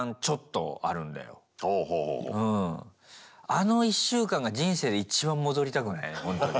あの１週間が人生で一番戻りたくないほんとに。